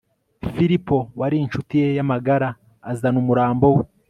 filipo wari incuti ye y'amagara azana umurambo we